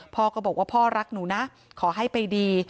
พ่อก็บอกว่าพ่อรักหนูนะขอให้ไปดี